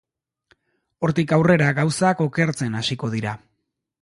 Hortik aurrera gauzak okertzen hasiko dira...